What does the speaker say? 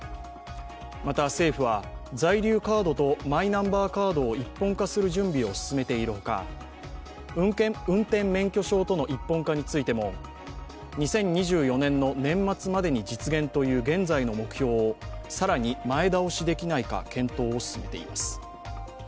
また、政府は在留カードとマイナンバーカードを一本化する準備を進めているほか運転免許証との一本化についても２０２４年の年末までに実現という現在の目標を更に前倒しできないか検討を進めています。